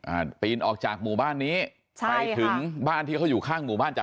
อ่าปีนออกจากหมู่บ้านนี้ใช่ไปถึงบ้านที่เขาอยู่ข้างหมู่บ้านจาก